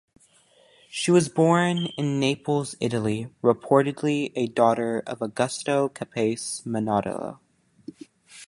She was born in Naples, Italy, reportedly a daughter of Augusto Capece Minutolo.